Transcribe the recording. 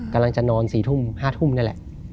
กำลังจะนอน๔ทุ่ม๕ทุ่มนั่นแหละ